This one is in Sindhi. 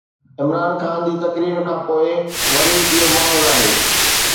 عمران خان جي تقرير کانپوءِ وري اهو ماحول آهي.